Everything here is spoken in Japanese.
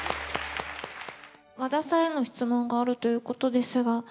和田さんへの質問があるということですが。